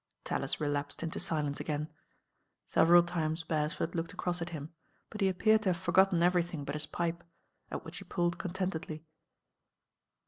Tallis relapsed into silence again. Several times Beresford looked across at him ; but he appeared to have forgotten everything but his pipe, at which he pulled contentedly.